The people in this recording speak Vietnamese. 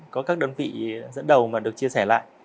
có các đơn vị dẫn đầu mà được chia sẻ lại